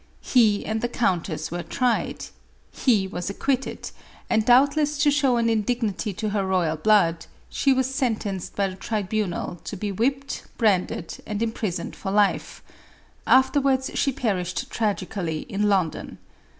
He and the countess were tried ; he was acquitted, and, doubtless to show an indignity to her royal blood, she was sentenced by the tribunal to be MARIE ANTOINE1TB. 4.jl» whipped, branded, and imprisoned for life ;— after warus she perished tragically in London.